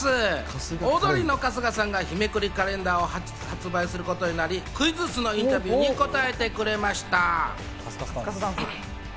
オードリーの春日さんが日めくりカレンダーを発売することになり、クイズッスのインタビューに答えてくれました。